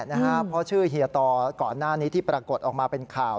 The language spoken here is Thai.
เพราะชื่อเฮียตอก่อนหน้านี้ที่ปรากฏออกมาเป็นข่าว